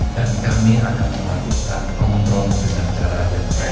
dan kami akan memaklumkan mempromosikan secara depresi